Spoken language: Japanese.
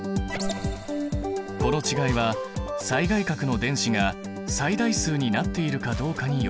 この違いは最外殻の電子が最大数になっているかどうかによるもの。